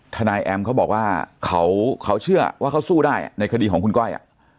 นายแอมเขาบอกว่าเขาเชื่อว่าเขาสู้ได้ในคดีของคุณก้อย